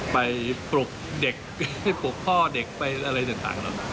ไปปลุกเด็กไปปลุกพ่อเด็กไปอะไรต่าง